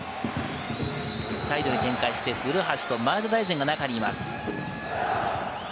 サイドに展開して古橋と前田大然が中にいます。